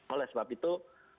oleh sebab itu